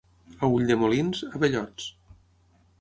A Ulldemolins, abellots.